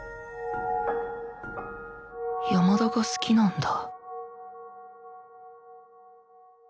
山田が好きなんだ